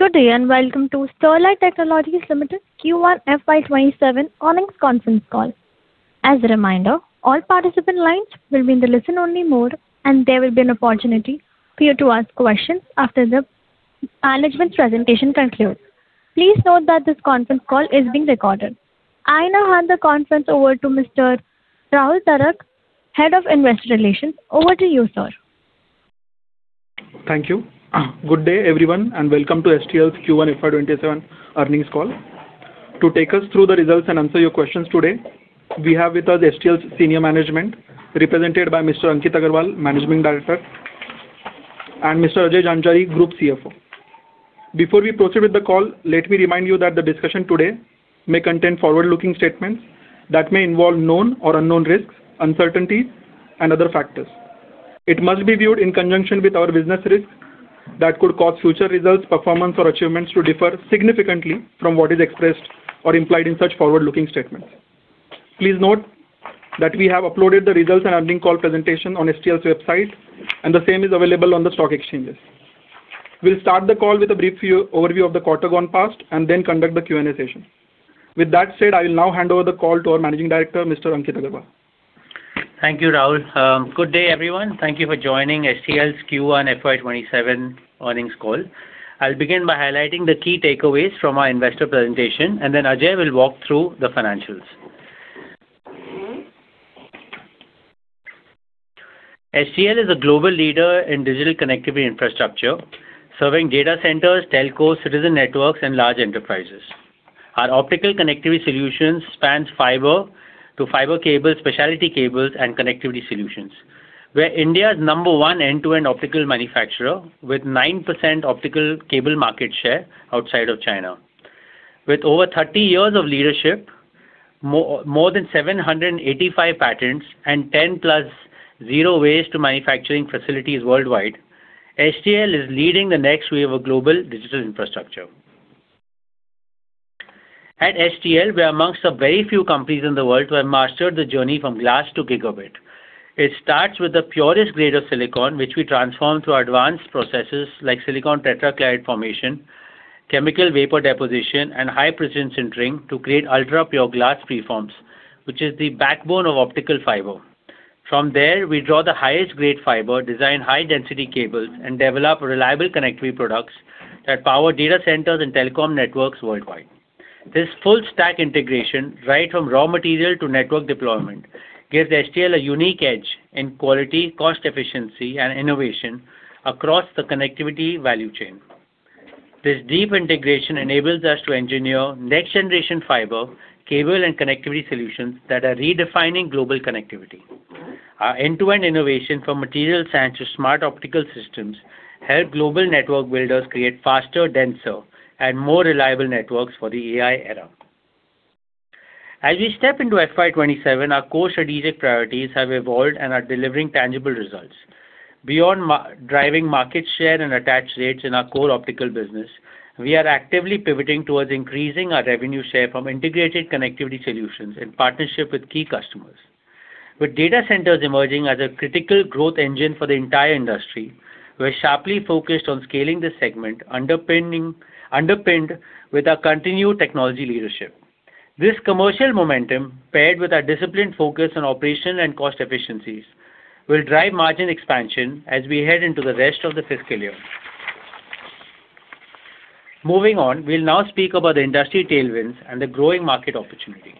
Good day, welcome to Sterlite Technologies Limited Q1 FY 2027 earnings conference call. As a reminder, all participant lines will be in the listen-only mode, and there will be an opportunity for you to ask questions after the management presentation concludes. Please note that this conference call is being recorded. I now hand the conference over to Mr. Rahul Darak, Head of Investor Relations. Over to you, sir. Thank you. Good day, everyone, welcome to STL's Q1 FY 2027 earnings call. To take us through the results and answer your questions today, we have with us STL's senior management, represented by Mr. Ankit Agarwal, Managing Director, and Mr. Ajay Jhanjhari, Group CFO. Before we proceed with the call, let me remind you that the discussion today may contain forward-looking statements that may involve known or unknown risks, uncertainties, and other factors. It must be viewed in conjunction with our business risks that could cause future results, performance, or achievements to differ significantly from what is expressed or implied in such forward-looking statements. Please note that we have uploaded the results and earnings call presentation on STL's website, and the same is available on the stock exchanges. We'll start the call with a brief overview of the quarter gone past and then conduct the Q&A session. With that said, I will now hand over the call to our Managing Director, Mr. Ankit Agarwal. Thank you, Rahul. Good day, everyone. Thank you for joining STL's Q1 FY 2027 earnings call. I'll begin by highlighting the key takeaways from our investor presentation and then Ajay will walk through the financials. STL is a global leader in digital connectivity infrastructure, serving data centers, telcos, citizen networks, and large enterprises. Our optical connectivity solutions spans fiber to fiber cables, specialty cables, and connectivity solutions. We're India's number one end-to-end optical manufacturer with 9% optical cable market share outside of China. With over 30 years of leadership, more than 785 patents, and 10+ zero waste manufacturing facilities worldwide, STL is leading the next wave of global digital infrastructure. At STL, we're amongst the very few companies in the world to have mastered the journey from glass to gigabit. It starts with the purest grade of silicon, which we transform through advanced processes like silicon tetrachloride formation, chemical vapor deposition, and high-precision sintering to create ultra-pure glass preforms, which is the backbone of optical fiber. From there, we draw the highest grade fiber, design high-density cables, and develop reliable connectivity products that power data centers and telecom networks worldwide. This full stack integration, right from raw material to network deployment, gives STL a unique edge in quality, cost efficiency, and innovation across the connectivity value chain. This deep integration enables us to engineer next generation fiber, cable, and connectivity solutions that are redefining global connectivity. Our end-to-end innovation from material science to smart optical systems help global network builders create faster, denser, and more reliable networks for the AI era. As we step into FY 2027, our core strategic priorities have evolved and are delivering tangible results. Beyond driving market share and attach rates in our core optical business, we are actively pivoting towards increasing our revenue share from integrated connectivity solutions in partnership with key customers. With data centers emerging as a critical growth engine for the entire industry, we're sharply focused on scaling this segment, underpinned with our continued technology leadership. This commercial momentum, paired with our disciplined focus on operational and cost efficiencies, will drive margin expansion as we head into the rest of the fiscal year. Moving on, we'll now speak about the industry tailwinds and the growing market opportunity.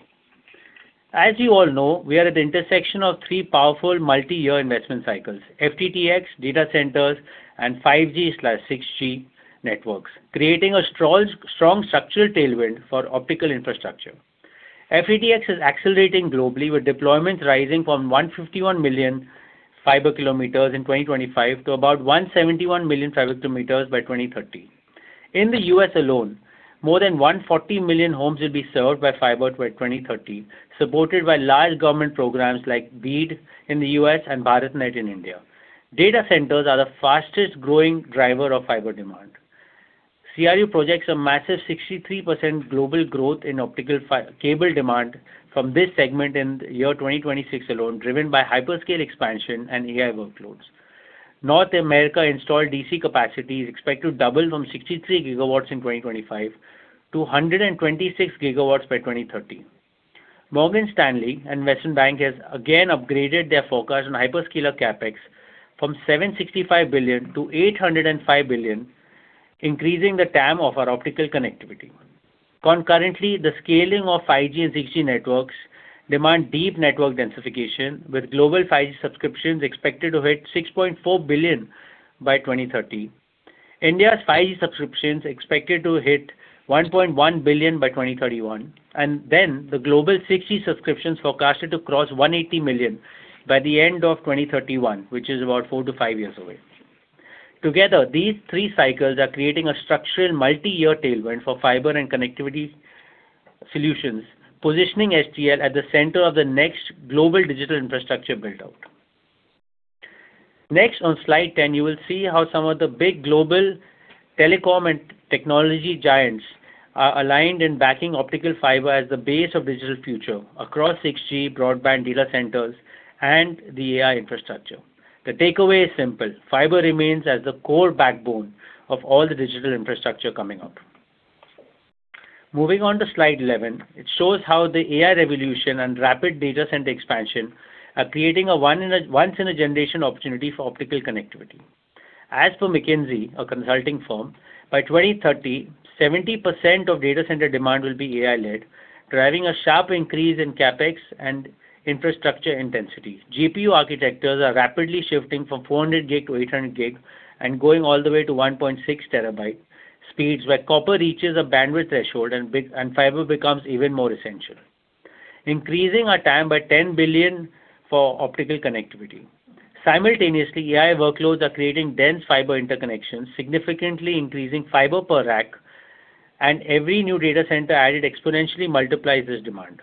As you all know, we are at the intersection of three powerful multi-year investment cycles: FTTx, data centers, and 5G/6G networks, creating a strong structural tailwind for optical infrastructure. FTTx is accelerating globally, with deployments rising from 151 million fiber kilometers in 2025 to about 171 million fiber kilometers by 2030. In the U.S. alone, more than 140 million homes will be served by fiber by 2030, supported by large government programs like BEAD in the U.S. and BharatNet in India. Data centers are the fastest growing driver of fiber demand. CRU projects a massive 63% global growth in optical cable demand from this segment in the year 2026 alone, driven by hyperscale expansion and AI workloads. North America installed DC capacity is expected to double from 63 GW in 2025 to 126 GW by 2030. Morgan Stanley Investment Bank has again upgraded their forecast on hyperscaler CapEx from $765 billion to $805 billion, increasing the TAM of our optical connectivity. Concurrently, the scaling of 5G and 6G networks demand deep network densification, with global 5G subscriptions expected to hit 6.4 billion by 2030. India's 5G subscriptions expected to hit 1.1 billion by 2031, then the global 6G subscriptions forecasted to cross 180 million by the end of 2031, which is about four to five years away. Together, these three cycles are creating a structural multi-year tailwind for fiber and connectivity solutions, positioning STL at the center of the next global digital infrastructure build-out. On slide 10, you will see how some of the big global telecom and technology giants are aligned in backing optical fiber as the base of digital future across 6G broadband data centers and the AI infrastructure. The takeaway is simple: Fiber remains as the core backbone of all the digital infrastructure coming up. On slide 11, it shows how the AI revolution and rapid data center expansion are creating a once in a generation opportunity for optical connectivity. As for McKinsey, a consulting firm, by 2030, 70% of data center demand will be AI-led, driving a sharp increase in CapEx and infrastructure intensity. GPU architectures are rapidly shifting from 400 GB to 800GB and going all the way to 1.6 Tb speeds where copper reaches a bandwidth threshold and fiber becomes even more essential, increasing TAM by 10 billion for optical connectivity. Simultaneously, AI workloads are creating dense fiber interconnections, significantly increasing fiber per rack, and every new data center added exponentially multiplies this demand.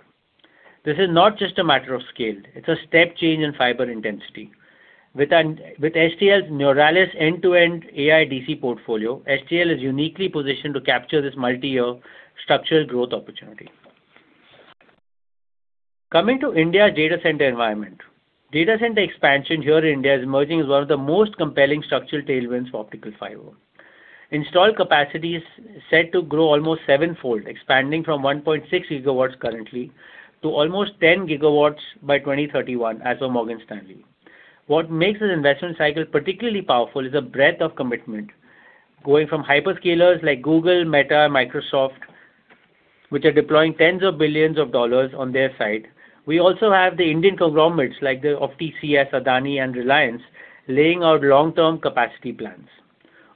This is not just a matter of scale, it's a step change in fiber intensity. With STL's Neuralis end-to-end AI DC portfolio, STL is uniquely positioned to capture this multi-year structural growth opportunity. Coming to India data center environment. Data center expansion here in India is emerging as one of the most compelling structural tailwinds for optical fiber. Installed capacity is set to grow almost sevenfold, expanding from 1.6 GW currently to almost 10 GW by 2031 as of Morgan Stanley. What makes this investment cycle particularly powerful is the breadth of commitment. Going from hyperscalers like Google, Meta, Microsoft, which are deploying $10s of billions on their side, we also have the Indian conglomerates like TCS, Adani, and Reliance laying out long-term capacity plans.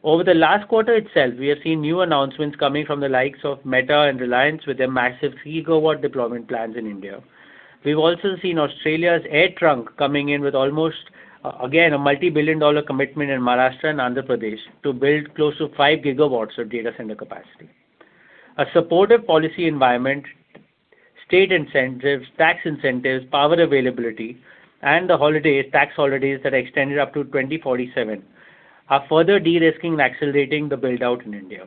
Over the last quarter itself, we have seen new announcements coming from the likes of Meta and Reliance with their massive gigawatt deployment plans in India. We've also seen Australia's AirTrunk coming in with almost, again, a $ multi-billion commitment in Maharashtra and Andhra Pradesh to build close to 5 GW of data center capacity. A supportive policy environment, state incentives, tax incentives, power availability, and the tax holidays that are extended up to 2047 are further de-risking and accelerating the build-out in India.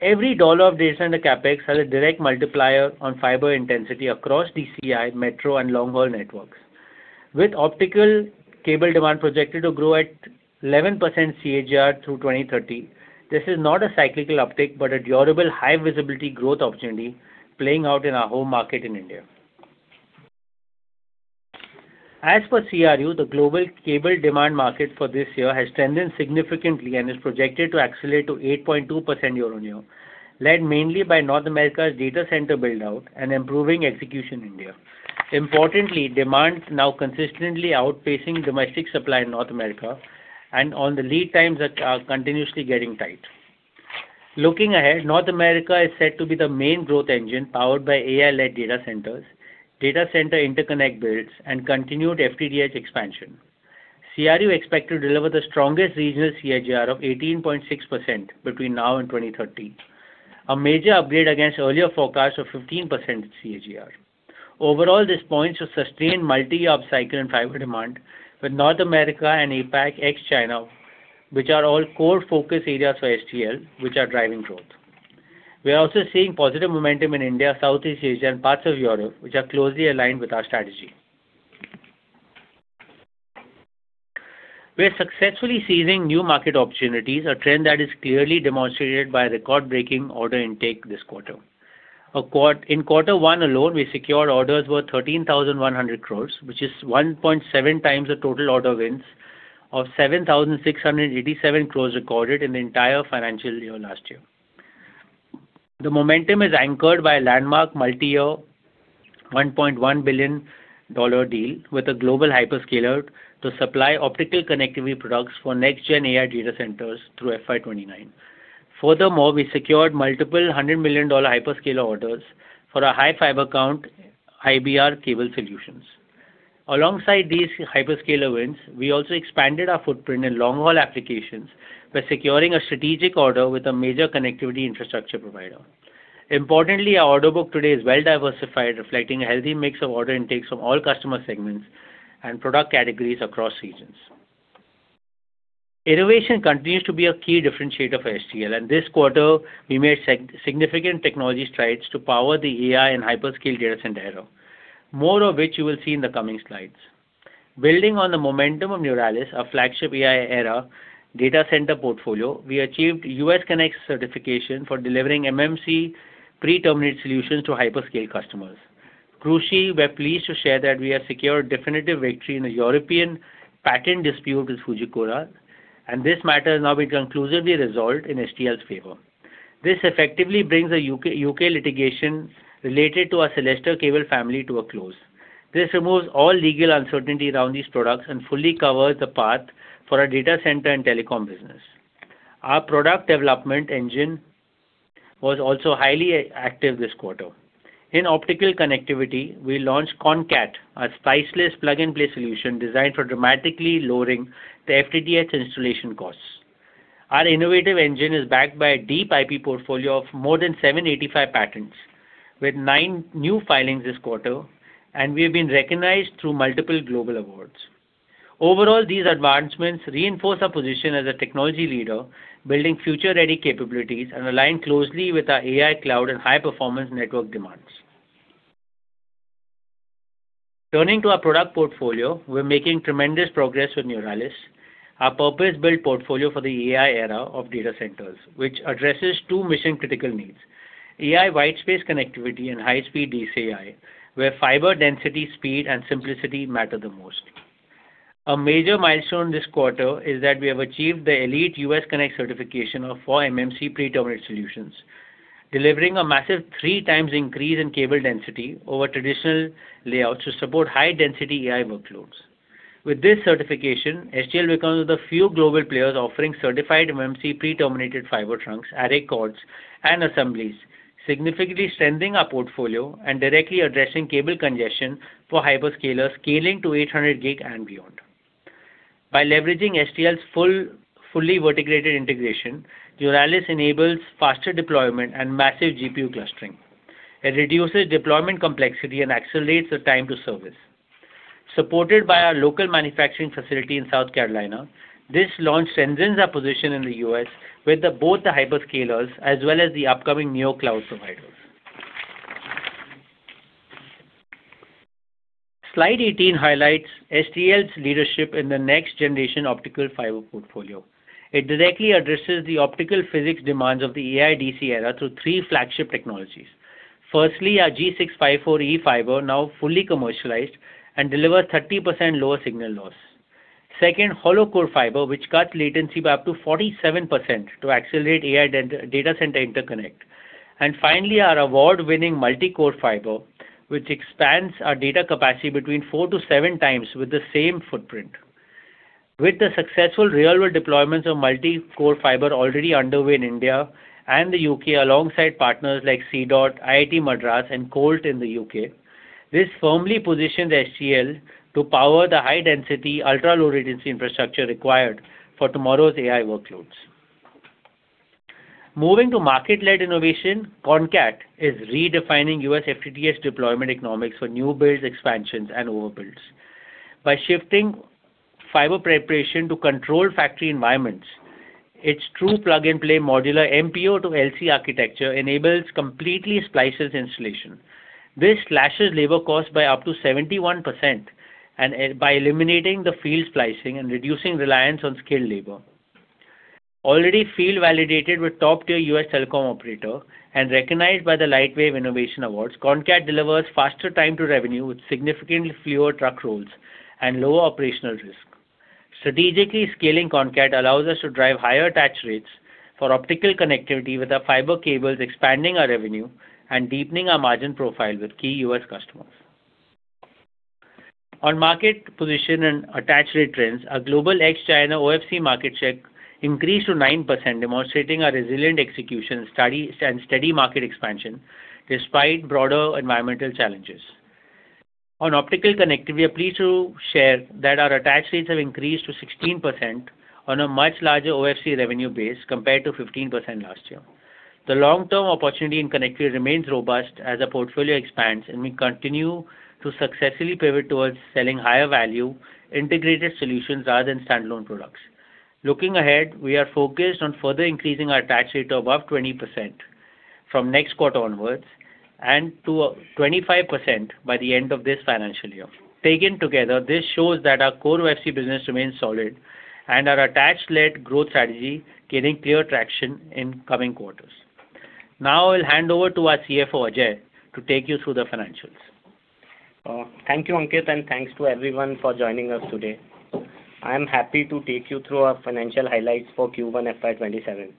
Every dollar of data center CapEx has a direct multiplier on fiber intensity across DCI, metro, and long-haul networks. With optical cable demand projected to grow at 11% CAGR through 2030, this is not a cyclical uptick, but a durable, high visibility growth opportunity playing out in our home market in India. As for CRU, the global cable demand market for this year has strengthened significantly and is projected to accelerate to 8.2% year-on-year, led mainly by North America's data center build-out and improving execution in India. Importantly, demand now consistently outpacing domestic supply in North America and on the lead times are continuously getting tight. Looking ahead, North America is set to be the main growth engine powered by AI-led data centers, data center interconnect builds, and continued FTTH expansion. CRU expects to deliver the strongest regional CAGR of 18.6% between now and 2030, a major upgrade against earlier forecasts of 15% CAGR. Overall, this points to sustained multi-upcycle and fiber demand with North America and APAC ex-China, which are all core focus areas for STL, which are driving growth. We are also seeing positive momentum in India, Southeast Asia, and parts of Europe, which are closely aligned with our strategy. We are successfully seizing new market opportunities, a trend that is clearly demonstrated by record-breaking order intake this quarter. In quarter one alone, we secured orders worth 13,100 crores, which is 1.7 times the total order wins of 7,687 crores recorded in the entire financial year last year. The momentum is anchored by a landmark multi-year $1.1 billion deal with a global hyperscaler to supply optical connectivity products for next gen AI data centers through FY 2029. Furthermore, we secured multiple $100 million hyperscaler orders for our high fiber count IBR cable solutions. Alongside these hyperscaler wins, we also expanded our footprint in long haul applications by securing a strategic order with a major connectivity infrastructure provider. Importantly, our order book today is well diversified, reflecting a healthy mix of order intakes from all customer segments and product categories across regions. Innovation continues to be a key differentiator for STL, and this quarter we made significant technology strides to power the AI and hyperscale data center era, more of which you will see in the coming slides. Building on the momentum of Neuralis, our flagship AI era data center portfolio, we achieved US Conec certification for delivering MMC pre-terminated solutions to hyperscale customers. Crucially, we're pleased to share that we have secured definitive victory in the European patent dispute with Fujikura, and this matter has now been conclusively resolved in STL's favor. This effectively brings the U.K. litigation related to our Celesta cable family to a close. This removes all legal uncertainty around these products and fully covers the path for our data center and telecom business. Our product development engine was also highly active this quarter. In optical connectivity, we launched CONCAT, a spliceless plug and play solution designed for dramatically lowering the FTTH installation costs. Our innovative engine is backed by a deep IP portfolio of more than 785 patents with nine new filings this quarter, and we've been recognized through multiple global awards. Overall, these advancements reinforce our position as a technology leader, building future-ready capabilities and align closely with our AI cloud and high-performance network demands. Turning to our product portfolio, we're making tremendous progress with Neuralis, our purpose-built portfolio for the AI era of data centers, which addresses two mission-critical needs: AI whitespace connectivity and high-speed DCI, where fiber density, speed, and simplicity matter the most. A major milestone this quarter is that we have achieved the elite US Conec certification of four MMC pre-terminated solutions, delivering a massive three times increase in cable density over traditional layouts to support high-density AI workloads. With this certification, STL becomes the few global players offering certified MMC pre-terminated fiber trunks, array cords, and assemblies, significantly strengthening our portfolio and directly addressing cable congestion for hyperscalers scaling to 800 Gb and beyond. By leveraging STL's fully integrated integration, Neuralis enables faster deployment and massive GPU clustering. It reduces deployment complexity and accelerates the time to service. Supported by our local manufacturing facility in South Carolina, this launch strengthens our position in the U.S. with both the hyperscalers as well as the upcoming new cloud providers. Slide 18 highlights STL's leadership in the next generation optical fiber portfolio. It directly addresses the optical physics demands of the AI DCI era through three flagship technologies. Firstly, our G.654.E fiber, now fully commercialized and delivers 30% lower signal loss. Second, Hollow Core Fibre, which cuts latency by up to 47% to accelerate AI data center interconnect. Finally, our award-winning Multi-Core Fibre, which expands our data capacity between four to seven times with the same footprint. With the successful real-world deployments of Multi-Core Fibre already underway in India and the U.K., alongside partners like CDOT, IIT Madras, and Colt in the U.K., this firmly positions STL to power the high density, ultra-low latency infrastructure required for tomorrow's AI workloads. Moving to market-led innovation, CONCAT is redefining U.S. FTTH deployment economics for new builds, expansions, and over builds. By shifting fiber preparation to controlled factory environments, its true plug-and-play modular MPO to LC architecture enables completely spliceless installation. This slashes labor costs by up to 71% by eliminating the field splicing and reducing reliance on skilled labor. Already field validated with top-tier U.S. telecom operator and recognized by the Lightwave Innovation Reviews, CONCAT delivers faster time to revenue with significantly fewer truck rolls and lower operational risk. Strategically scaling CONCAT allows us to drive higher attach rates for optical connectivity with our fiber cables, expanding our revenue and deepening our margin profile with key U.S. customers. On market position and attach rate trends, our global ex-China OFC market share increased to 9%, demonstrating a resilient execution and steady market expansion despite broader environmental challenges. On optical connectivity, we are pleased to share that our attach rates have increased to 16% on a much larger OFC revenue base compared to 15% last year. The long-term opportunity in connectivity remains robust as our portfolio expands, and we continue to successfully pivot towards selling higher value integrated solutions rather than standalone products. Looking ahead, we are focused on further increasing our attach rate to above 20% from next quarter onwards and to 25% by the end of this financial year. Taken together, this shows that our core OFC business remains solid and our attach-led growth strategy gaining clear traction in coming quarters. Now I'll hand over to our CFO, Ajay, to take you through the financials. Thank you, Ankit, and thanks to everyone for joining us today. I am happy to take you through our financial highlights for Q1 FY 2027.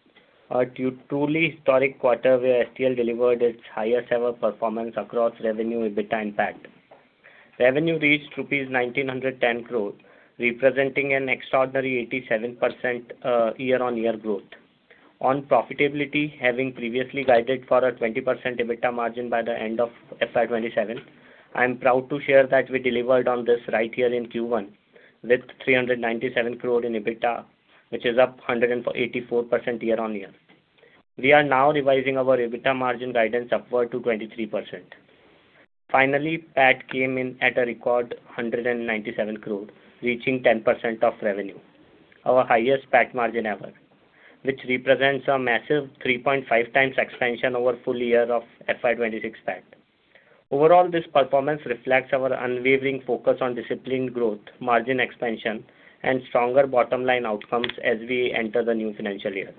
A truly historic quarter where STL delivered its highest ever performance across revenue, EBITDA, and PAT. Revenue reached 1,910 crore rupees, representing an extraordinary 87% year-on-year growth. On profitability, having previously guided for a 20% EBITDA margin by the end of FY 2027, I am proud to share that we delivered on this right here in Q1, with 397 crore in EBITDA, which is up 184% year-on-year. We are now revising our EBITDA margin guidance upward to 23%. Finally, PAT came in at a record 197 crore, reaching 10% of revenue, our highest PAT margin ever, which represents a massive 3.5 times expansion over full year of FY 2026 PAT. Overall, this performance reflects our unwavering focus on disciplined growth, margin expansion, and stronger bottom line outcomes as we enter the new financial year.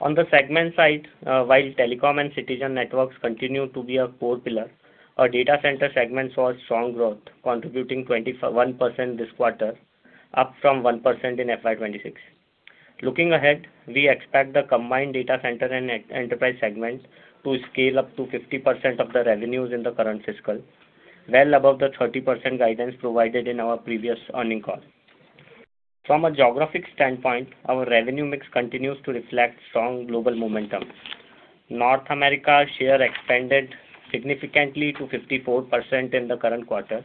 On the segment side, while telecom and citizen networks continue to be a core pillar, our data center segment saw strong growth contributing 21% this quarter, up from 1% in FY 2026. Looking ahead, we expect the combined data center and enterprise segment to scale up to 50% of the revenues in the current fiscal, well above the 30% guidance provided in our previous earnings call. From a geographic standpoint, our revenue mix continues to reflect strong global momentum. North America share expanded significantly to 54% in the current quarter,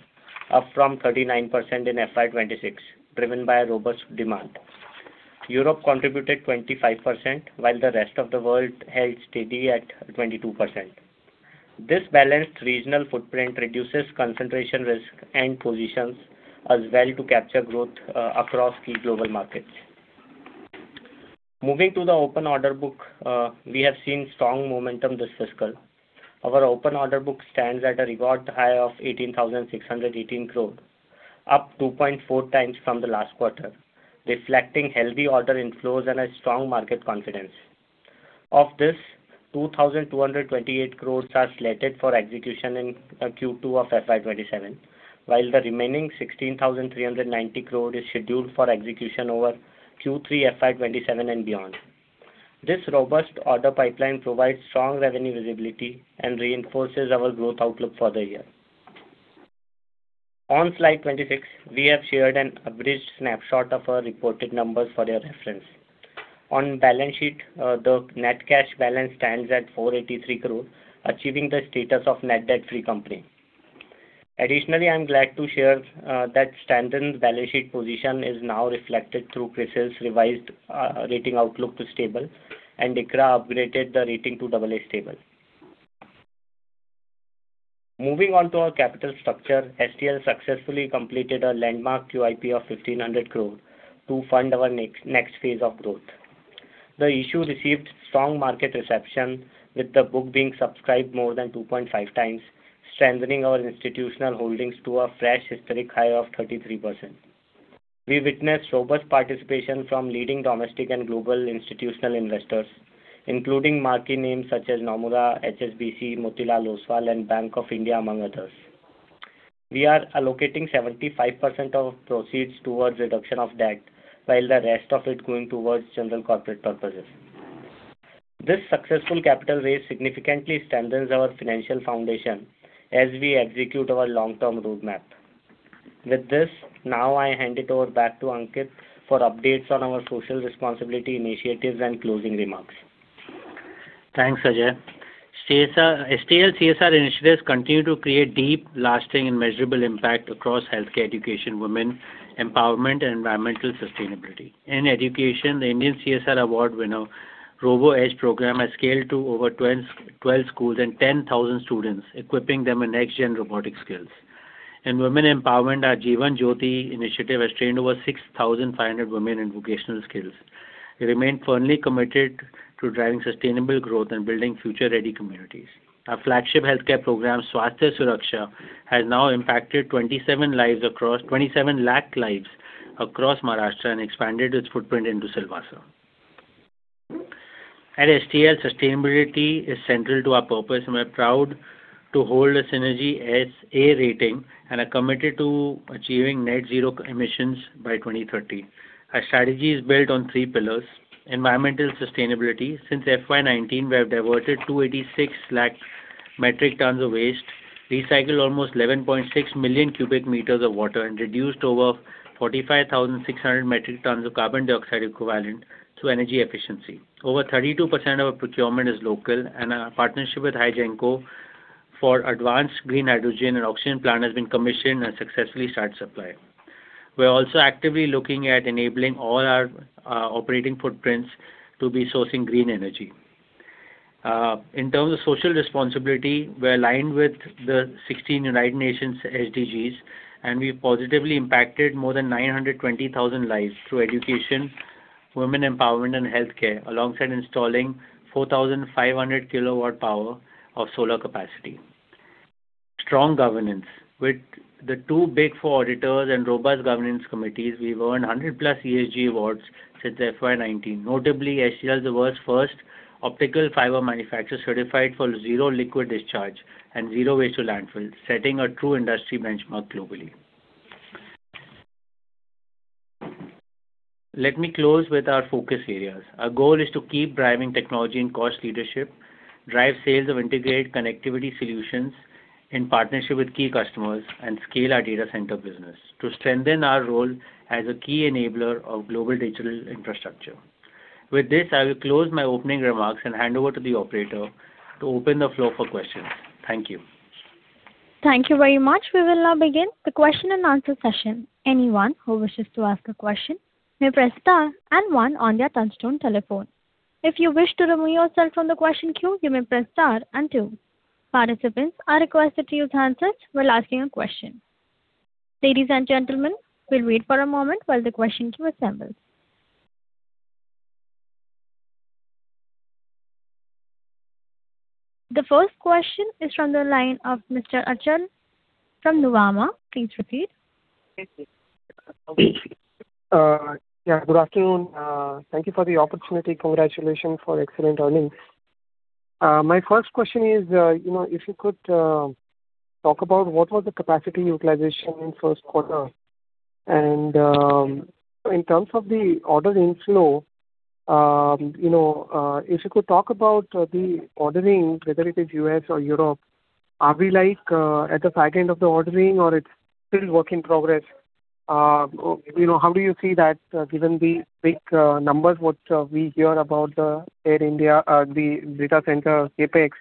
up from 39% in FY 2026, driven by robust demand. Europe contributed 25%, while the rest of the world held steady at 22%. This balanced regional footprint reduces concentration risk and positions us well to capture growth across key global markets. Moving to the open order book, we have seen strong momentum this fiscal. Our open order book stands at a record high of 18,618 crore, up 2.4 times from the last quarter, reflecting healthy order inflows and a strong market confidence. Of this, 2,228 crore are slated for execution in Q2 of FY 2027, while the remaining 16,390 crore is scheduled for execution over Q3 FY 2027 and beyond. This robust order pipeline provides strong revenue visibility and reinforces our growth outlook for the year. On slide 26, we have shared an abridged snapshot of our reported numbers for your reference. On balance sheet, the net cash balance stands at 483 crore, achieving the status of net debt-free company. Additionally, I'm glad to share that STL's balance sheet position is now reflected through CRISIL's revised rating outlook to stable, and ICRA upgraded the rating to AA stable. Moving on to our capital structure, STL successfully completed a landmark QIP of 1,500 crore to fund our next phase of growth. The issue received strong market reception, with the book being subscribed more than 2.5 times, strengthening our institutional holdings to a fresh historic high of 33%. We witnessed robust participation from leading domestic and global institutional investors, including marquee names such as Nomura, HSBC, Motilal Oswal and Bank of India, among others. We are allocating 75% of proceeds towards reduction of debt, while the rest of it going towards general corporate purposes. This successful capital raise significantly strengthens our financial foundation as we execute our long-term roadmap. With this, now I hand it over back to Ankit for updates on our social responsibility initiatives and closing remarks. Thanks, Ajay. STL CSR initiatives continue to create deep, lasting and measurable impact across healthcare, education, women empowerment and environmental sustainability. In education, the Indian CSR award winner, RoboEdge program, has scaled to over 12 schools and 10,000 students, equipping them in next-gen robotic skills. In women empowerment, our Jeevan Jyoti initiative has trained over 6,500 women in vocational skills. We remain firmly committed to driving sustainable growth and building future-ready communities. Our flagship healthcare program, Swasthya Suraksha, has now impacted 27 lakh lives across Maharashtra and expanded its footprint into Silvassa. At STL, sustainability is central to our purpose. We are proud to hold a Synergy SA rating and are committed to achieving net zero emissions by 2030. Our strategy is built on three pillars. Environmental sustainability. Since FY 2019, we have diverted 286 lakh metric tons of waste, recycled almost 11.6 million cubic meters of water, and reduced over 45,600 metric tons of carbon dioxide equivalent through energy efficiency. Over 32% of our procurement is local, and our partnership with Hygenco for advanced green hydrogen and oxygen plant has been commissioned and successfully starts supply. We are also actively looking at enabling all our operating footprints to be sourcing green energy. In terms of social responsibility, we are aligned with the 16 United Nations SDGs, and we positively impacted more than 920,000 lives through education, women empowerment, and healthcare, alongside installing 4,500 kW power of solar capacity. Strong governance. With the two big four auditors and robust governance committees, we have won 100+ ESG awards since FY 2019. Notably, STL is the world's first optical fiber manufacturer certified for zero liquid discharge and zero waste to landfill, setting a true industry benchmark globally. Let me close with our focus areas. Our goal is to keep driving technology and cost leadership, drive sales of integrated connectivity solutions in partnership with key customers, and scale our data center business to strengthen our role as a key enabler of global digital infrastructure. With this, I will close my opening remarks and hand over to the operator to open the floor for questions. Thank you. Thank you very much. We will now begin the question and answer session. Anyone who wishes to ask a question may press star and one on their touch-tone telephone. If you wish to remove yourself from the question queue, you may press star and two. Participants are requested to use handsets while asking a question. Ladies and gentlemen, we will wait for a moment while the question queue assembles. The first question is from the line of Mr. Achal from Nuvama. Please proceed. Yeah. Good afternoon. Thank you for the opportunity. Congratulations for excellent earnings. My first question is, if you could talk about what was the capacity utilization in first quarter. In terms of the order inflow, if you could talk about the ordering, whether it is U.S. or Europe. Are we at the back end of the ordering or it's still work in progress? How do you see that, given the big numbers, what we hear about the Air India, the data center CapEx.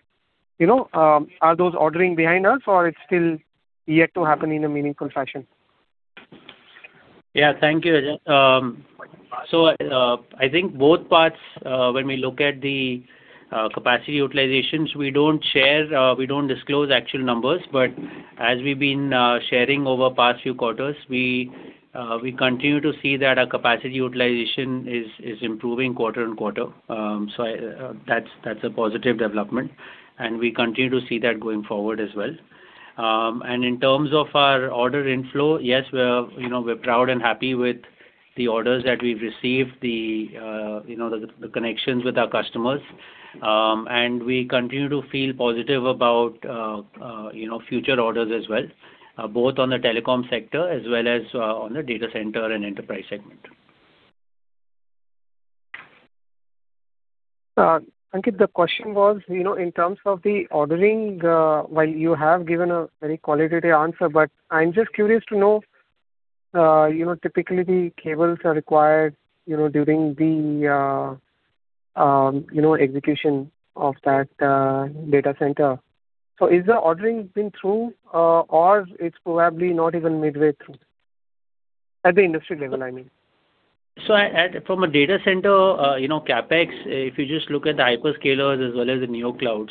Are those ordering behind us or it's still yet to happen in a meaningful fashion? Yeah. Thank you, Achal. I think both parts, when we look at the capacity utilizations, we don't share, we don't disclose actual numbers. As we've been sharing over past few quarters, we continue to see that our capacity utilization is improving quarter on quarter. That's a positive development, and we continue to see that going forward as well. In terms of our order inflow, yes, we're proud and happy with the orders that we've received, the connections with our customers. We continue to feel positive about future orders as well, both on the telecom sector as well as on the data center and enterprise segment. Ankit, the question was, in terms of the ordering, while you have given a very qualitative answer, I'm just curious to know, typically the cables are required during the execution of that data center. Is the ordering been through? Or it's probably not even midway through? At the industry level, I mean. From a data center, CapEx, if you just look at the hyperscalers as well as the neoclouds,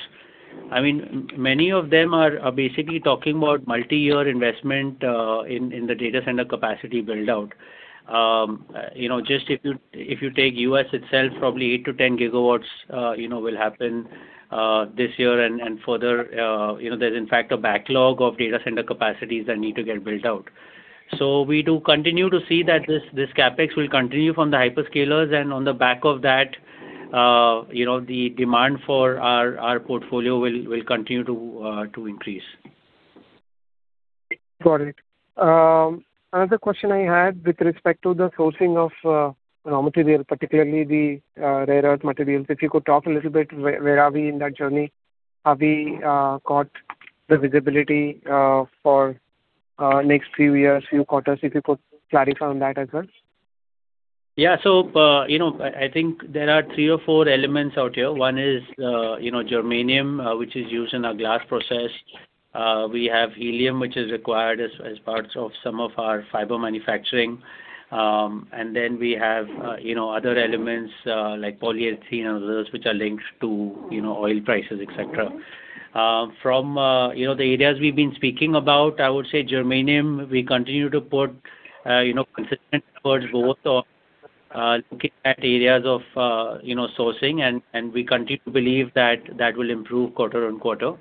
many of them are basically talking about multi-year investment in the data center capacity build-out. If you take U.S. itself, probably 8 GW to 10 GW will happen this year and further. There's in fact a backlog of data center capacities that need to get built out. We do continue to see that this CapEx will continue from the hyperscalers, and on the back of that, the demand for our portfolio will continue to increase. Got it. Another question I had with respect to the sourcing of raw material, particularly the rare earth materials. If you could talk a little bit, where are we in that journey? Have we got the visibility for next few years, few quarters? If you could clarify on that as well. I think there are three or four elements out here. One is germanium, which is used in our glass process. We have helium, which is required as parts of some of our fiber manufacturing. We have other elements, like polyethylene and others, which are linked to oil prices, et cetera. From the areas we've been speaking about, I would say germanium, we continue to put consistent towards both of looking at areas of sourcing, and we continue to believe that that will improve quarter on quarter.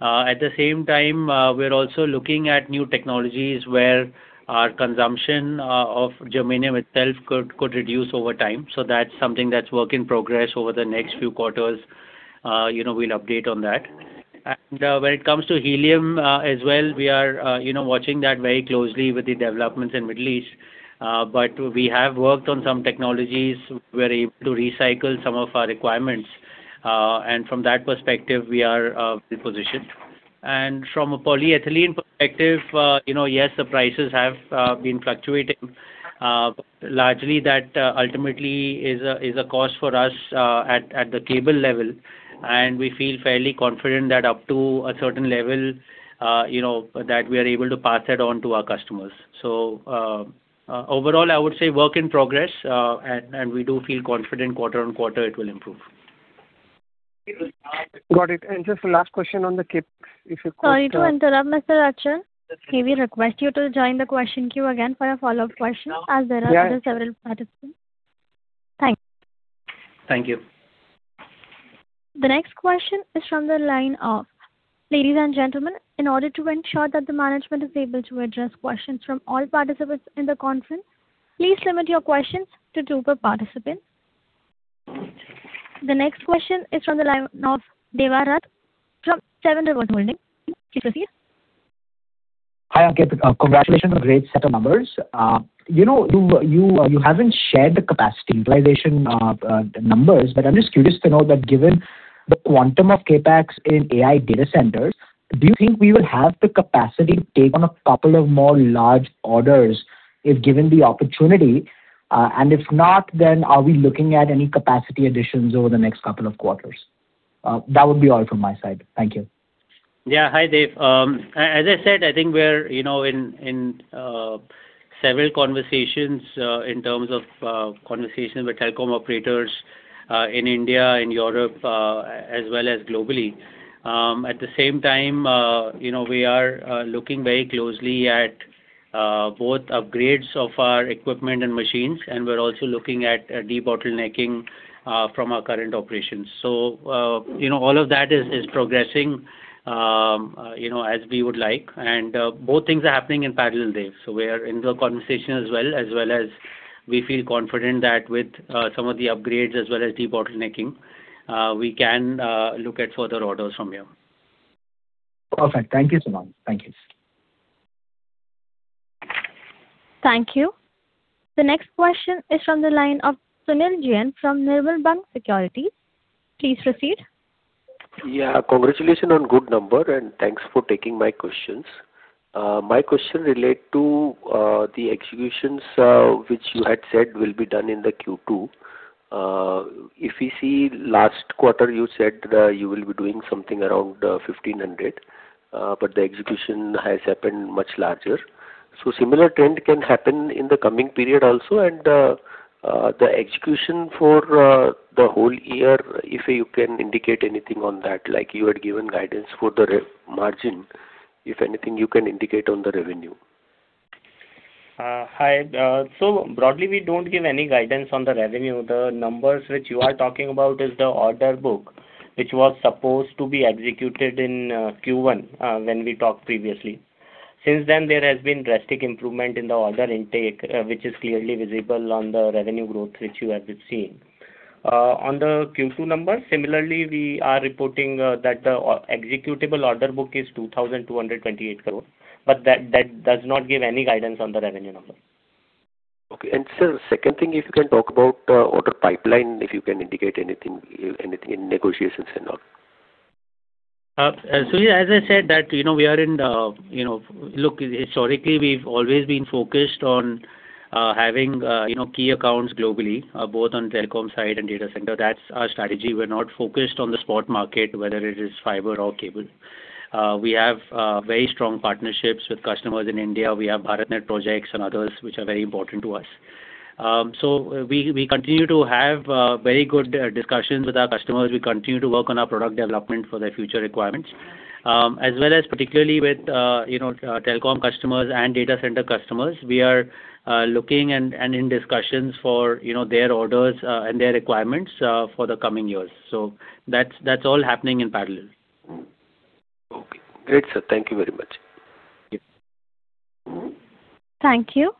At the same time, we're also looking at new technologies where our consumption of germanium itself could reduce over time. That's something that's work in progress over the next few quarters. We'll update on that. When it comes to helium as well, we are watching that very closely with the developments in Middle East. We have worked on some technologies. We're able to recycle some of our requirements. From that perspective, we are well-positioned. From a polyethylene perspective, yes, the prices have been fluctuating. Largely, that ultimately is a cost for us at the cable level, and we feel fairly confident that up to a certain level that we are able to pass that on to our customers. Overall, I would say work in progress, and we do feel confident quarter on quarter it will improve. Got it. Just the last question on the CapEx, if you could- Sorry to interrupt, Mr. Achal. Can we request you to join the question queue again for a follow-up question as there are other several participants. Thanks. Thank you. The next question is from the line of. Ladies and gentlemen, in order to ensure that the management is able to address questions from all participants in the conference, please limit your questions to two per participant. The next question is from the line of Devavrat from Seven Rivers Holding. Please proceed. Hi, Ankit. Congratulations on great set of numbers. You haven't shared the capacity utilization numbers, I'm just curious to know that given the quantum of CapEx in AI data centers, do you think we would have the capacity to take on a couple of more large orders if given the opportunity? If not, are we looking at any capacity additions over the next couple of quarters? That would be all from my side. Thank you. Hi, Dev. As I said, I think we're in several conversations in terms of conversations with telecom operators, in India, in Europe, as well as globally. At the same time, we are looking very closely at both upgrades of our equipment and machines, and we're also looking at de-bottlenecking from our current operations. All of that is progressing as we would like. Both things are happening in parallel, Dev. We are in the conversation as well, as well as we feel confident that with some of the upgrades as well as de-bottlenecking, we can look at further orders from here. Perfect. Thank you so much. Thank you. Thank you. The next question is from the line of Sunil Jain from Nirmal Bang Securities. Please proceed. Yeah. Congratulations on good number, thanks for taking my questions. My question relate to the executions which you had said will be done in the Q2. We see last quarter, you said you will be doing something around 1,500, but the execution has happened much larger. Similar trend can happen in the coming period also, and the execution for the whole year, if you can indicate anything on that. You had given guidance for the margin. If anything, you can indicate on the revenue. Hi. Broadly, we don't give any guidance on the revenue. The numbers which you are talking about is the order book, which was supposed to be executed in Q1 when we talked previously. Since then, there has been drastic improvement in the order intake, which is clearly visible on the revenue growth which you have been seeing. On the Q2 numbers, similarly, we are reporting that the executable order book is 2,228 crore. That does not give any guidance on the revenue number. Okay. Sir, second thing, if you can talk about order pipeline, if you can indicate anything in negotiations and all. Sure. As I said, historically, we've always been focused on having key accounts globally, both on telecom side and data center. That's our strategy. We're not focused on the spot market, whether it is fiber or cable. We have very strong partnerships with customers in India. We have BharatNet projects and others which are very important to us. We continue to have very good discussions with our customers. We continue to work on our product development for their future requirements. As well as particularly with telecom customers and data center customers, we are looking and in discussions for their orders and their requirements for the coming years. That's all happening in parallel. Okay, great sir. Thank you very much. Thank you.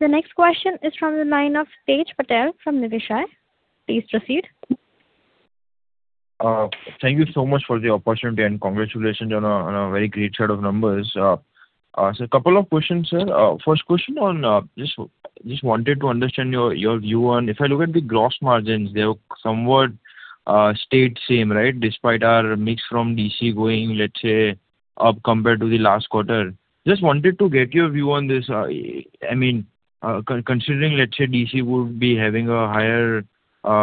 The next question is from the line of Tej Patel from Niveshaay. Please proceed. Thank you so much for the opportunity, and congratulations on a very great set of numbers. A couple of questions, sir. First question, just wanted to understand your view on, if I look at the gross margins, they have somewhat stayed same, right? Despite our mix from DC going, let's say, up compared to the last quarter. Just wanted to get your view on this. Considering, let's say, DC would be having a higher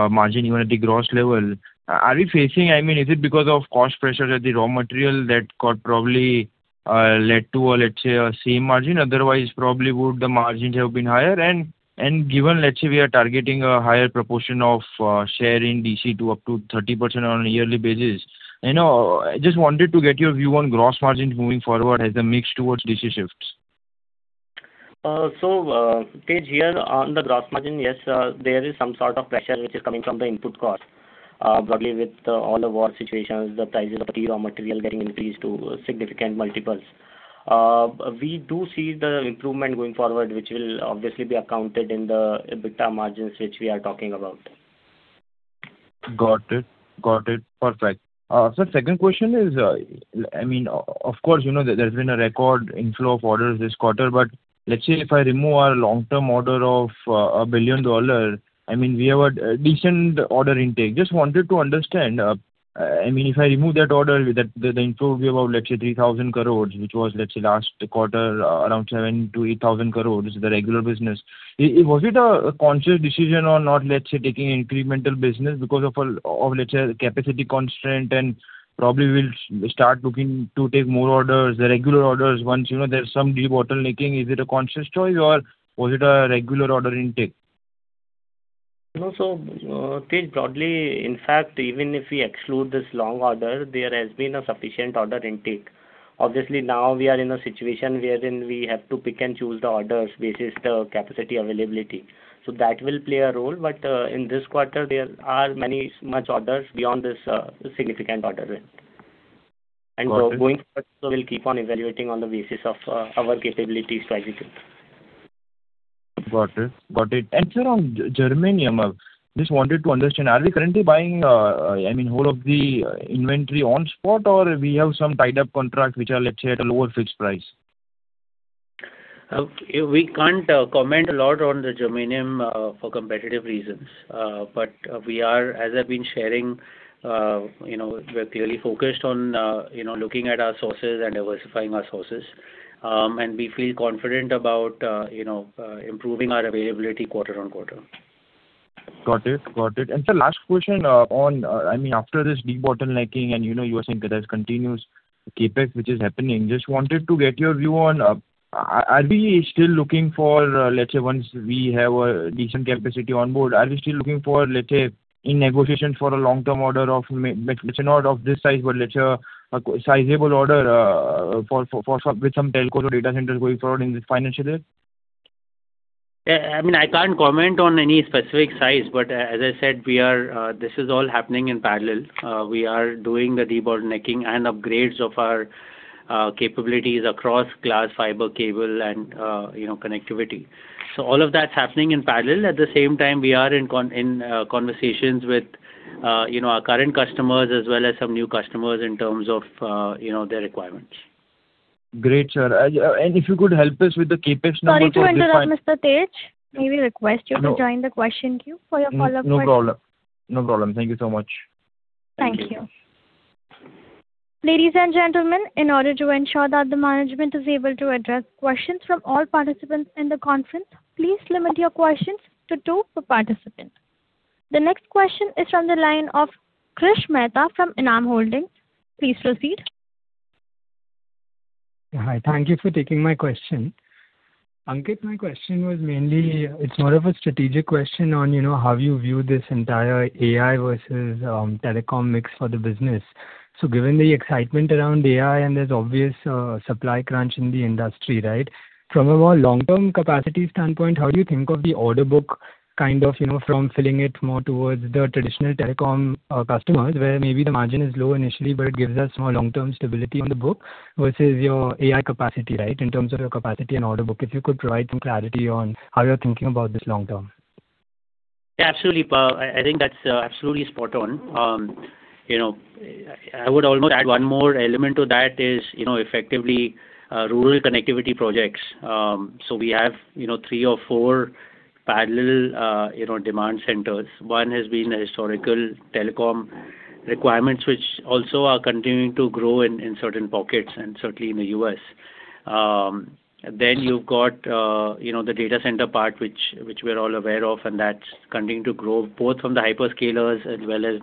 margin even at the gross level. Is it because of cost pressures at the raw material that could probably lead to a same margin, otherwise probably would the margins have been higher? And given we are targeting a higher proportion of share in DC to up to 30% on a yearly basis. I just wanted to get your view on gross margins moving forward as the mix towards DC shifts. Tej, here on the gross margin, yes, there is some sort of pressure which is coming from the input cost. Broadly with all the war situations, the prices of key raw material getting increased to significant multiples. We do see the improvement going forward, which will obviously be accounted in the EBITDA margins, which we are talking about. Got it. Perfect. Sir, second question is, of course, there's been a record inflow of orders this quarter, but let's say if I remove our long-term order of $1 billion, we have a decent order intake. Just wanted to understand, if I remove that order, the inflow will be about, let's say, 3,000 crores, which was, let's say, last quarter around 7,000 to 8,000 crores is the regular business. Was it a conscious decision or not, let's say, taking incremental business because of, let's say, capacity constraint and probably we'll start looking to take more orders, the regular orders, once there's some debottlenecking. Is it a conscious choice or was it a regular order intake? Tej, broadly, in fact, even if we exclude this long order, there has been a sufficient order intake. Obviously, now we are in a situation wherein we have to pick and choose the orders based on the capacity availability. That will play a role, but in this quarter, there are much orders beyond this significant order rate. Got it. Going forward, we'll keep on evaluating on the basis of our capabilities to execute. Got it. Sir, on germanium, just wanted to understand, are we currently buying whole of the inventory on spot, or we have some tied-up contracts which are, let's say, at a lower fixed price? We can't comment a lot on the germanium for competitive reasons. As I've been sharing, we're clearly focused on looking at our sources and diversifying our sources. We feel confident about improving our availability quarter-on-quarter. Got it. Sir, last question on, after this debottlenecking, and you were saying that there's continuous CapEx which is happening, just wanted to get your view on, are we still looking for, let's say, once we have a decent capacity on board, are we still looking for, let's say, in negotiations for a long-term order of this size, but let's say, a sizable order with some telco or data centers going forward in this financial year? I can't comment on any specific size. As I said, this is all happening in parallel. We are doing the debottlenecking and upgrades of our capabilities across glass fiber, cable, and connectivity. All of that's happening in parallel. At the same time, we are in conversations with our current customers as well as some new customers in terms of their requirements. Great, sir. If you could help us with the CapEx number for this. Sorry to interrupt, Mr. Tej. May we request you to join the question queue for your follow-up question? No problem. Thank you so much. Thank you. Ladies and gentlemen, in order to ensure that the management is able to address questions from all participants in the conference, please limit your questions to two per participant. The next question is from the line of Krish Mehta from Enam Holdings. Please proceed. Hi. Thank you for taking my question. Ankit, my question was mainly, it is more of a strategic question on how you view this entire AI versus telecom mix for the business. Given the excitement around AI, there is obvious supply crunch in the industry, right? From a more long-term capacity standpoint, how do you think of the order book kind of from filling it more towards the traditional telecom customers, where maybe the margin is low initially, but it gives us more long-term stability on the book versus your AI capacity, right, in terms of your capacity and order book? If you could provide some clarity on how you are thinking about this long term. Yeah, absolutely. I think that is absolutely spot on. I would almost add one more element to that is, effectively rural connectivity projects. We have three or four parallel demand centers. One has been historical telecom requirements, which also are continuing to grow in certain pockets, and certainly in the U.S. You have got the data center part, which we are all aware of, and that is continuing to grow both from the hyperscalers as well as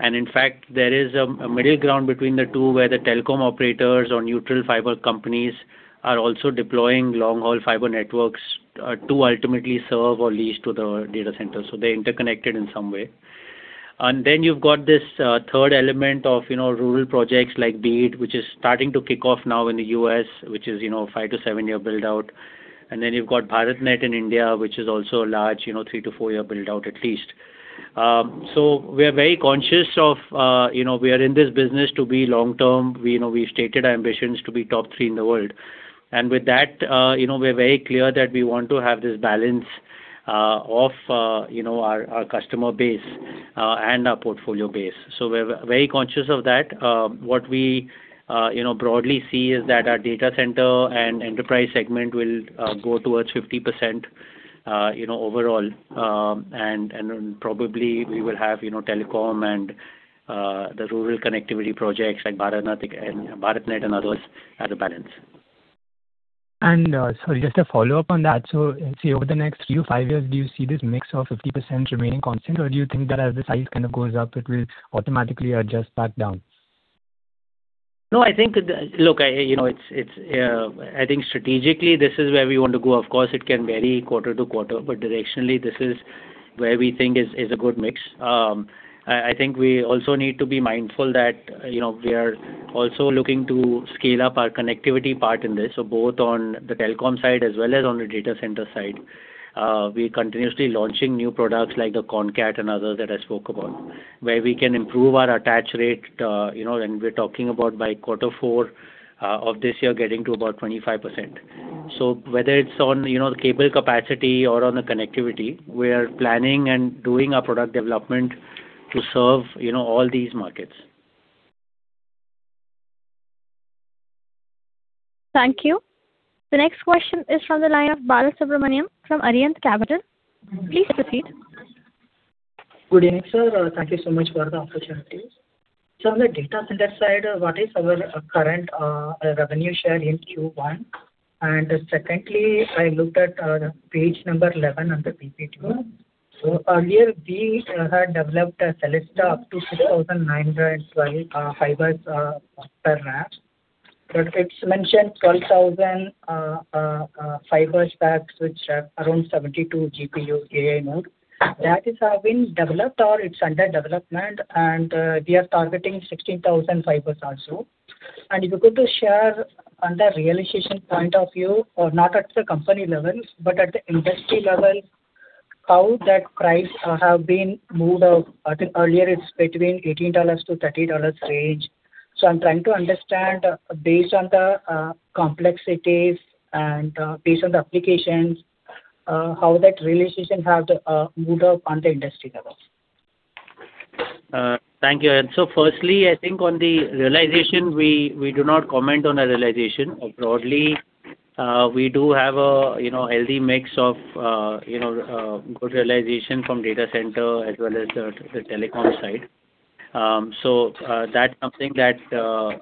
neoclouds. In fact, there is a middle ground between the two, where the telecom operators or neutral fiber companies are also deploying long-haul fiber networks to ultimately serve or lease to the data center. They are interconnected in some way. You have got this third element of rural projects like BEAD, which is starting to kick off now in the U.S., which is a five to seven-year build-out. You have got BharatNet in India, which is also a large three to four-year build-out at least. We are very conscious of we are in this business to be long-term. We stated our ambitions to be top three in the world. With that, we are very clear that we want to have this balance of our customer base and our portfolio base. We are very conscious of that. What we broadly see is that our data center and enterprise segment will go towards 50% overall. Probably we will have telecom and the rural connectivity projects like BharatNet and others as a balance. Sorry, just a follow-up on that. Say over the next three to five years, do you see this mix of 50% remaining constant, or do you think that as the size kind of goes up, it will automatically adjust back down? I think strategically this is where we want to go. Of course, it can vary quarter to quarter, but directionally this is where we think is a good mix. I think we also need to be mindful that we are also looking to scale up our connectivity part in this. Both on the telecom side as well as on the data center side. We are continuously launching new products like the CONCAT and others that I spoke about, where we can improve our attach rate, and we're talking about by quarter four of this year getting to about 25%. Whether it's on the cable capacity or on the connectivity, we are planning and doing our product development to serve all these markets. Thank you. The next question is from the line of Balasubramanian from Arihant Capital. Please proceed. Good evening, sir. Thank you so much for the opportunity. On the data center side, what is our current revenue share in Q1? Secondly, I looked at page number 11 on the PPT. Earlier we had developed a Celesta up to 6,912 fibers per rack, but it's mentioned 12,000 fiber stacks, which are around 72 GPU AI node that is having developed or it's under development, and we are targeting 16,000 fibers also. If you could share on the realization point of view or not at the company level, but at the industry level, how that price have been moved out. I think earlier it's between $18-$30 range. I'm trying to understand, based on the complexities and based on the applications, how that realization have moved up on the industry level. Thank you. Firstly, I think on the realization, we do not comment on a realization. Broadly, we do have a healthy mix of good realization from data center as well as the telecom side. That's something that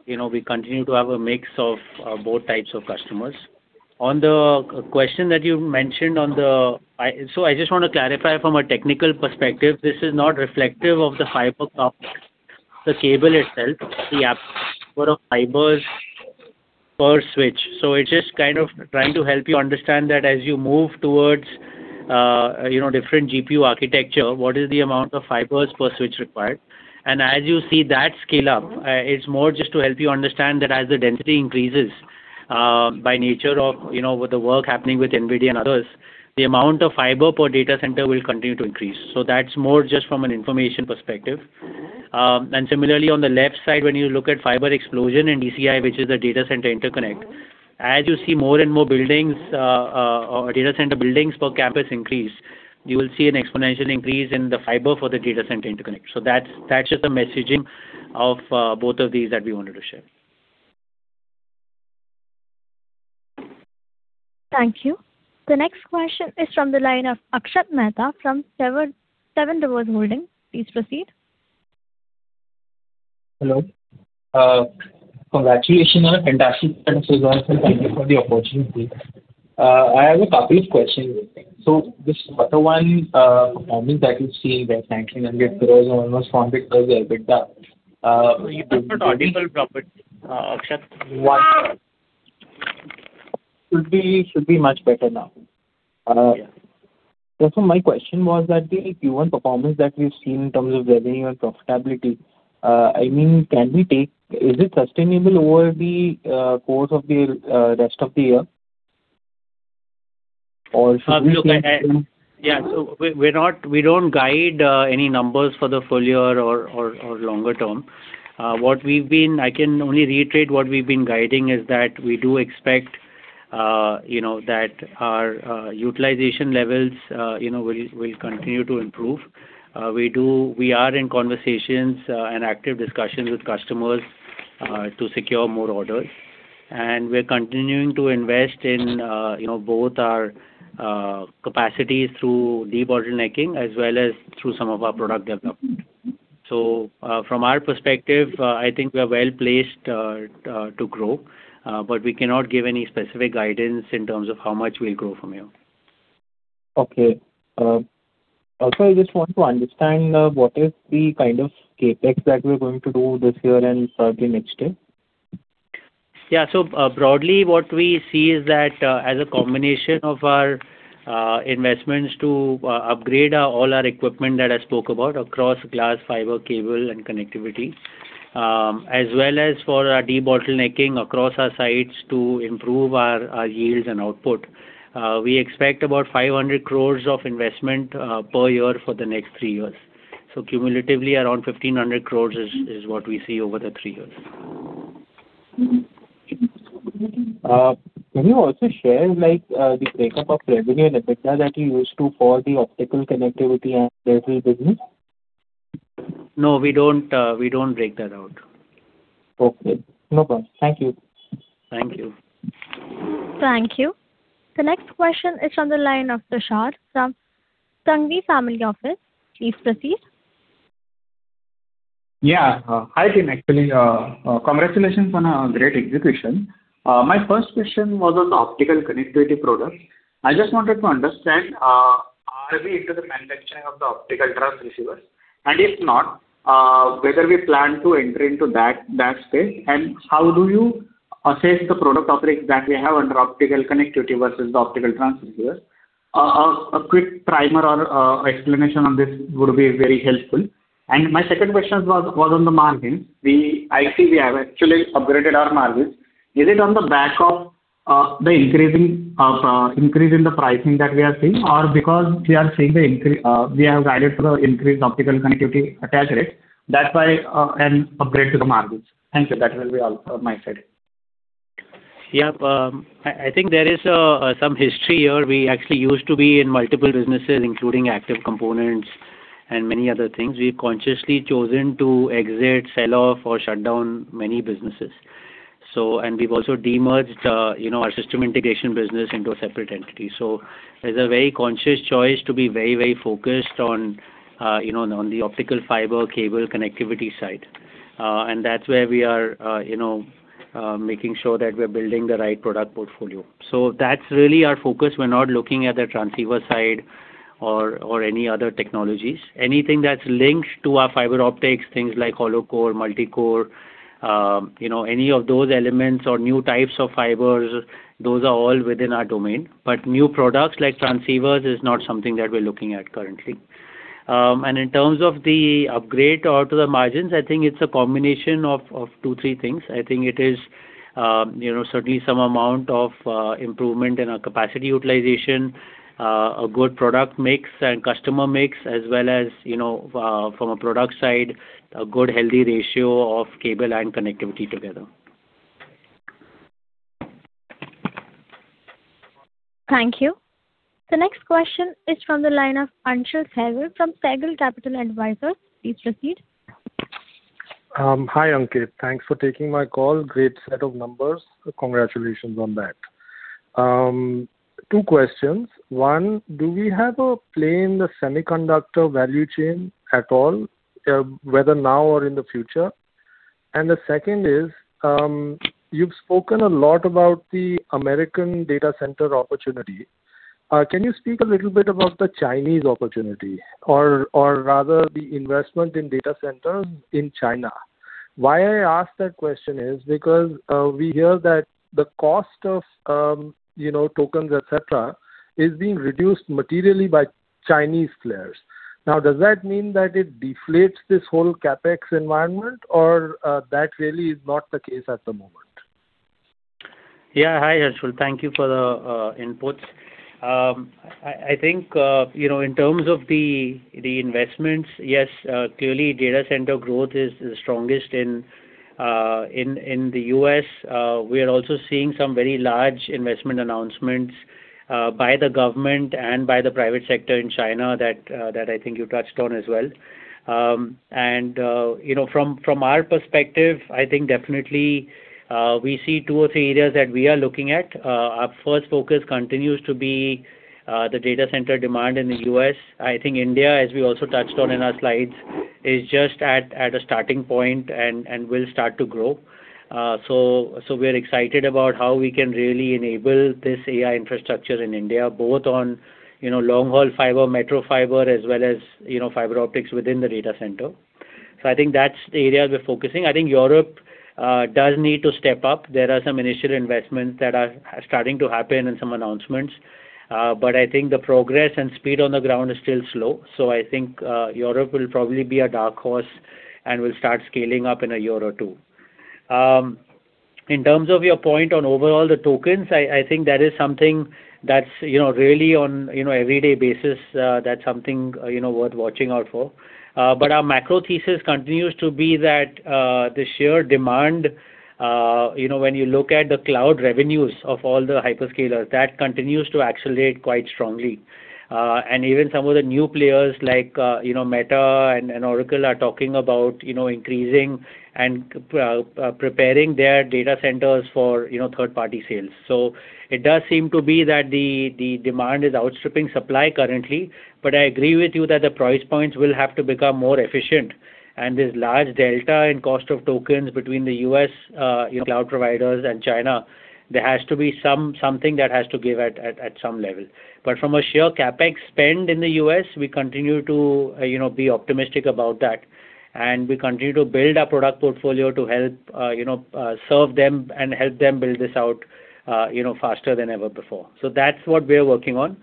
we continue to have a mix of both types of customers. On the question that you mentioned on the. I just want to clarify from a technical perspective, this is not reflective of the fiber, the cable itself, the fiber per switch. It's just kind of trying to help you understand that as you move towards different GPU architecture, what is the amount of fibers per switch required. As you see that scale up, it's more just to help you understand that as the density increases, by nature of the work happening with NVIDIA and others, the amount of fiber per data center will continue to increase. That's more just from an information perspective. Similarly, on the left side, when you look at fiber explosion in DCI, which is a data center interconnect, as you see more and more buildings or data center buildings per campus increase, you will see an exponential increase in the fiber for the data center interconnect. That's just the messaging of both of these that we wanted to share. Thank you. The next question is from the line of Akshat Mehta from Seven Rivers Holdings. Please proceed. Hello. Congratulations on a fantastic set of results, and thank you for the opportunity. I have a couple of questions. This better one, performance that you're seeing there, INR 1900 crores and almost INR 100 crores EBITDA- No, you cannot audible properly, Akshat. Should be much better now. Yeah. My question was that the Q1 performance that we've seen in terms of revenue and profitability, is it sustainable over the course of the rest of the year? Look, yeah. We don't guide any numbers for the full year or longer-term. I can only reiterate what we've been guiding is that we do expect that our utilization levels will continue to improve. We are in conversations and active discussions with customers to secure more orders. We're continuing to invest in both our capacities through de-bottlenecking as well as through some of our product development. From our perspective, I think we're well-placed to grow. We cannot give any specific guidance in terms of how much we'll grow from here. Okay. I just want to understand what is the kind of CapEx that we're going to do this year and probably next year. Yeah. Broadly, what we see is that as a combination of our investments to upgrade all our equipment that I spoke about across glass fiber, cable, and connectivity, as well as for our de-bottlenecking across our sites to improve our yields and output, we expect about 500 crores of investment per year for the next three years. Cumulatively, around 1,500 crores is what we see over the three years. Can you also share the breakup of revenue and EBITDA that you used to for the optical connectivity and cable business? No, we don't break that out. Okay. No problem. Thank you. Thank you. Thank you. The next question is from the line of Tushar from Sanghvi Family Office. Please proceed. Yeah. Hi, team. Actually, congratulations on a great execution. My first question was on optical connectivity products. I just wanted to understand, are we into the manufacturing of the optical transceivers? If not, whether we plan to enter into that space, and how do you assess the product offering that we have under optical connectivity versus the optical transceivers? A quick primer or explanation on this would be very helpful. My second question was on the margins. I see we have actually upgraded our margins. Is it on the back of the increase in the pricing that we are seeing, or because we have guided for the increased optical connectivity attach rate, that's why an upgrade to the margins? Thank you. That will be all from my side. I think there is some history here. We actually used to be in multiple businesses, including active components and many other things. We've consciously chosen to exit, sell-off, or shut down many businesses. We've also de-merged our system integration business into a separate entity. It's a very conscious choice to be very focused on the optical fiber cable connectivity side. That's where we are making sure that we're building the right product portfolio. That's really our focus. We're not looking at the transceiver side or any other technologies. Anything that's linked to our fiber optics, things like hollow-core, multi-core, any of those elements or new types of fibers, those are all within our domain. New products like transceivers is not something that we're looking at currently. In terms of the upgrade or to the margins, I think it's a combination of two, three things. I think it is certainly some amount of improvement in our capacity utilization, a good product mix and customer mix, as well as, from a product side, a good, healthy ratio of cable and connectivity together. Thank you. The next question is from the line of Anshul Saigal from Saigal Capital Advisors. Please proceed. Hi, Ankit. Thanks for taking my call. Great set of numbers. Congratulations on that. Two questions. One, do we have a play in the semiconductor value chain at all, whether now or in the future? The second is, you've spoken a lot about the American data center opportunity. Can you speak a little bit about the Chinese opportunity or rather the investment in data centers in China? Why I ask that question is because we hear that the cost of tokens, et cetera, is being reduced materially by Chinese players. Does that mean that it deflates this whole CapEx environment or that really is not the case at the moment? Hi, Anshul. Thank you for the inputs. I think, in terms of the investments, yes, clearly data center growth is the strongest in the U.S. We are also seeing some very large investment announcements by the government and by the private sector in China that I think you touched on as well. From our perspective, I think definitely we see two or three areas that we are looking at. Our first focus continues to be the data center demand in the U.S. I think India, as we also touched on in our slides, is just at a starting point and will start to grow. We're excited about how we can really enable this AI infrastructure in India, both on long-haul fiber, metro fiber, as well as fiber optics within the data center. I think that's the area we're focusing. I think Europe does need to step up. There are some initial investments that are starting to happen and some announcements. I think the progress and speed on the ground is still slow. I think Europe will probably be a dark horse and will start scaling up in a year or two. In terms of your point on overall the tokens, I think that is something that's really on everyday basis. That's something worth watching out for. Our macro thesis continues to be that the sheer demand, when you look at the cloud revenues of all the hyperscalers, that continues to accelerate quite strongly. Even some of the new players like Meta and Oracle are talking about increasing and preparing their data centers for third-party sales. It does seem to be that the demand is outstripping supply currently. I agree with you that the price points will have to become more efficient, and this large delta in cost of tokens between the U.S. cloud providers and China, there has to be something that has to give at some level. From a sheer CapEx spend in the U.S., we continue to be optimistic about that, and we continue to build our product portfolio to help serve them and help them build this out faster than ever before. That's what we're working on.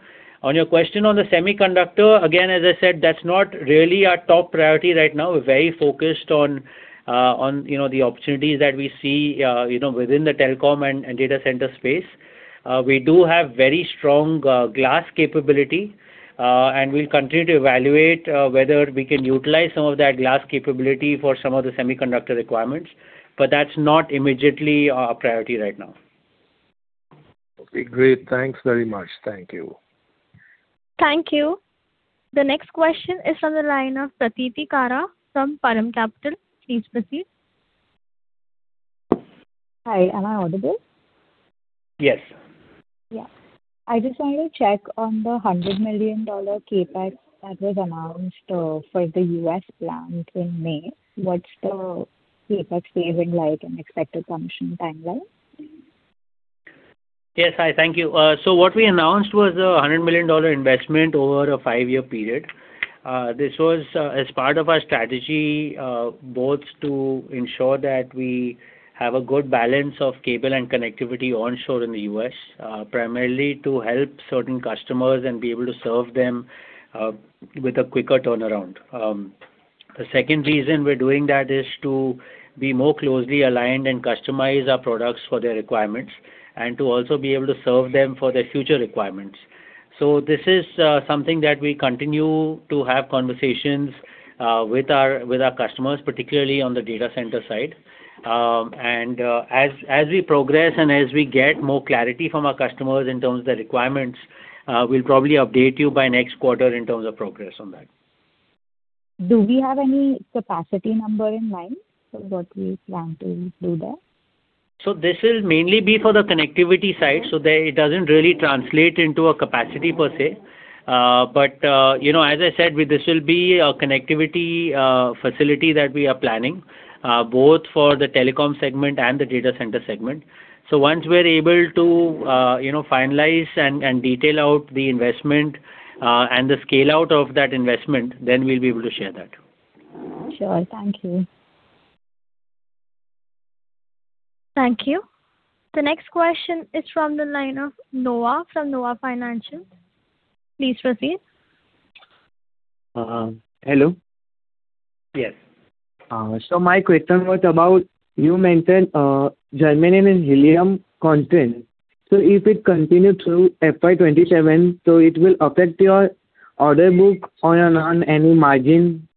On your question on the semiconductor, again, as I said, that's not really our top priority right now. We're very focused on the opportunities that we see within the telecom and data center space. We do have very strong glass capability, and we'll continue to evaluate whether we can utilize some of that glass capability for some of the semiconductor requirements. That's not immediately our priority right now. Okay, great. Thanks very much. Thank you. Thank you. The next question is on the line of Pratiti Khara from Param Capital. Please proceed. Hi. Am I audible? Yes. Yeah. I just wanted to check on the $100 million CapEx that was announced for the U.S. plant in May. What's the CapEx phasing like and expected commission timeline? Yes. Hi, thank you. What we announced was a $100 million investment over a five-year period. This was as part of our strategy, both to ensure that we have a good balance of cable and connectivity onshore in the U.S., primarily to help certain customers and be able to serve them with a quicker turnaround. The second reason we're doing that is to be more closely aligned and customize our products for their requirements, and to also be able to serve them for their future requirements. This is something that we continue to have conversations with our customers, particularly on the data center side. As we progress and as we get more clarity from our customers in terms of the requirements, we'll probably update you by next quarter in terms of progress on that. Do we have any capacity number in mind for what we plan to do there? This will mainly be for the connectivity side, so it doesn't really translate into a capacity per se. As I said, this will be a connectivity facility that we are planning, both for the telecom segment and the data center segment. Once we're able to finalize and detail out the investment and the scale-out of that investment, then we'll be able to share that. Sure. Thank you. Thank you. The next question is from the line of Noah from Noah Financial. Please proceed. Hello. Yes. My question was about, you mentioned germanium and helium content. If it continues through FY 2027, it will affect your order book or on any margin?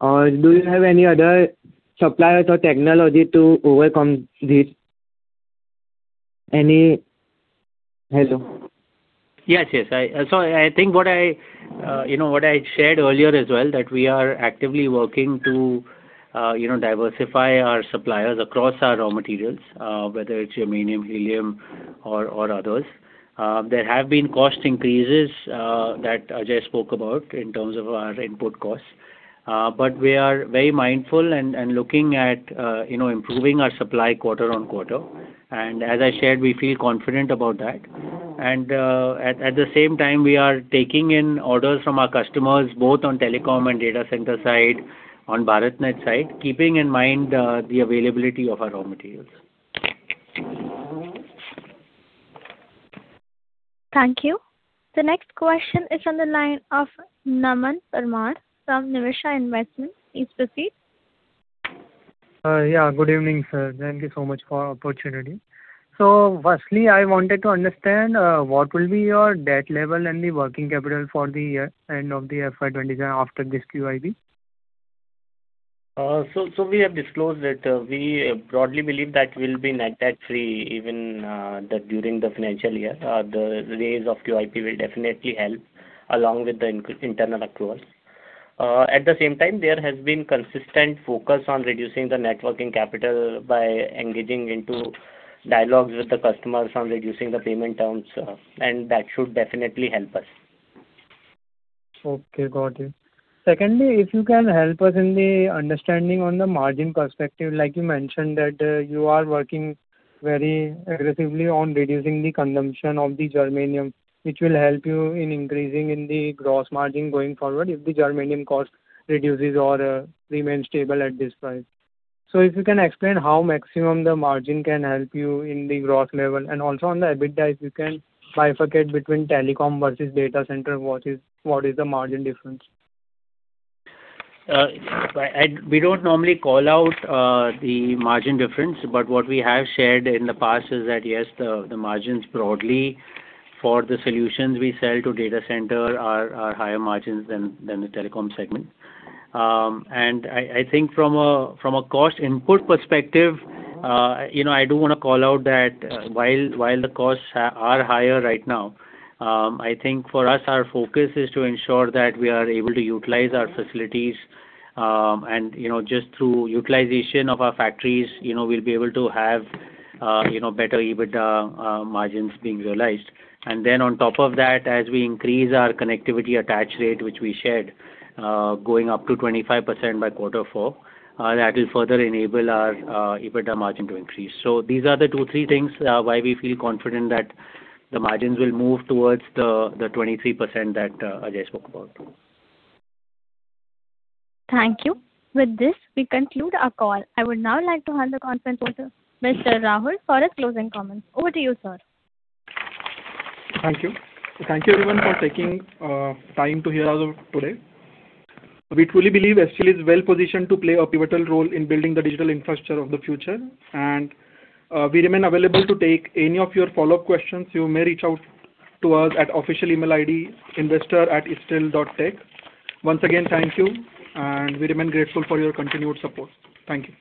Do you have any other suppliers or technology to overcome this? Hello? Yes. I think what I shared earlier as well, that we are actively working to diversify our suppliers across our raw materials, whether it's germanium, helium, or others. There have been cost increases that Ajay spoke about in terms of our input costs. We are very mindful and looking at improving our supply quarter-on-quarter. As I shared, we feel confident about that. At the same time, we are taking in orders from our customers, both on telecom and data center side, on BharatNet side, keeping in mind the availability of our raw materials. Thank you. The next question is on the line of Naman Parmar from Niveshaay Investment. Please proceed. Good evening, sir. Thank you so much for opportunity. Firstly, I wanted to understand what will be your debt level and the working capital for the end of the FY 2027 after this QIP? We have disclosed that we broadly believe that we'll be net debt-free even during the financial year. The raise of QIP will definitely help, along with the internal accrual. At the same time, there has been consistent focus on reducing the net working capital by engaging into dialogues with the customers on reducing the payment terms, that should definitely help us. Okay, got it. Secondly, if you can help us in the understanding on the margin perspective, like you mentioned that you are working very aggressively on reducing the consumption of the germanium, which will help you in increasing in the gross margin going forward if the germanium cost reduces or remains stable at this price. If you can explain how maximum the margin can help you in the gross level, and also on the EBITDA, if you can bifurcate between telecom versus data center, what is the margin difference? We don't normally call out the margin difference. What we have shared in the past is that, yes, the margins broadly for the solutions we sell to data center are higher margins than the telecom segment. I think from a cost input perspective, I do want to call out that while the costs are higher right now, I think for us, our focus is to ensure that we are able to utilize our facilities. Just through utilization of our factories, we'll be able to have better EBITDA margins being realized. Then on top of that, as we increase our connectivity attach rate, which we shared, going up to 25% by quarter four, that will further enable our EBITDA margin to increase. These are the two, three things why we feel confident that the margins will move towards the 23% that Ajay spoke about. Thank you. With this, we conclude our call. I would now like to hand the conference over to Mr. Rahul for his closing comments. Over to you, sir. Thank you. Thank you everyone for taking time to hear us out today. We truly believe Sterlite is well-positioned to play a pivotal role in building the digital infrastructure of the future, and we remain available to take any of your follow-up questions. You may reach out to us at official email ID, investor@stl.tech. Once again, thank you, and we remain grateful for your continued support. Thank you.